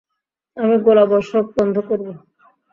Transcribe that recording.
আমি গোলাবর্ষণ বন্ধ করব।